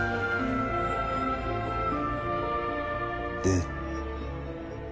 で